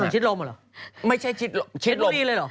ถนนชิดลมหรือหรือชิดลมเพชรบุรีเลยหรือ